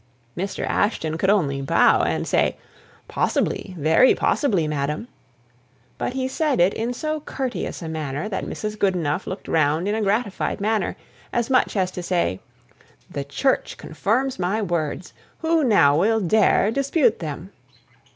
Mr. Ashton could only bow, and say, "Possibly, very possibly, madam." But he said it in so courteous a manner that Mrs. Goodenough looked round in a gratified way, as much as to say, "The Church confirms my words; who now will dare dispute them?"